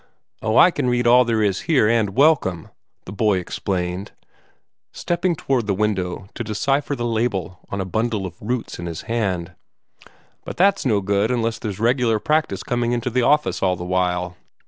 "Oh, I can read all there is here and welcome," the boy explained, stepping toward the window to decipher the label on a bundle of roots in his hand, "but that's no good unless there's regular practice coming into the office all the while.